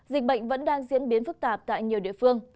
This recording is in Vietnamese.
dịch bệnh vẫn đang diễn biến phức tạp tại nhiều địa phương